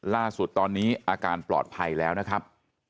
ล่าสุดตอนนี้อาการปลอดภัยแล้วนะครับ